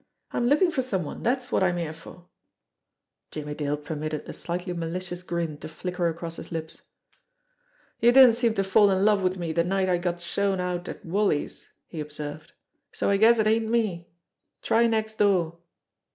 I'm lookin' for some one, dat's wot I'm here for." Jimmie Dale permitted a slightly malicious grin to flicker across his lips. "You didn't seem to fall in love with me the night I got shown out at Wally's," he observed, "so I guess it ain't me. Try next door!"